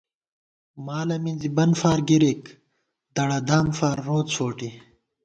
مالہ مِنزی بن فار گِرِک، دڑہ دام فار روڅ فوٹی